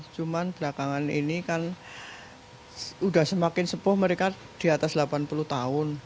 cuman belakangan ini kan udah semakin sepuh mereka di atas delapan puluh tahun